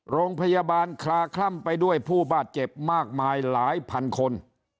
โรงพยาบาลคลาคล่ำไปด้วยผู้บาดเจ็บมากมายหลายพันคน